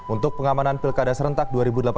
untuk pengamanan pilkada serentak dua ribu delapan belas